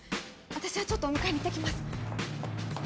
私はちょっとお迎えに行って来ます。